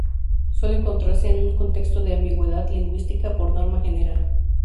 Suele encontrarse en un contexto de ambigüedad lingüística por norma general.